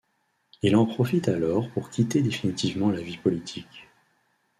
Il en profite alors pour quitter définitivement la vie politique.